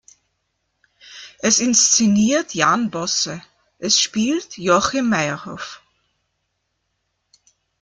Es inszeniert Jan Bosse, es spielt Joachim Meyerhoff.